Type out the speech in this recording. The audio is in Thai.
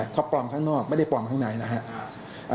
เขาปลอมข้างนอกไม่ได้ปลอมข้างในนะครับ